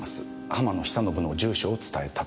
浜野久信の住所を伝えたと。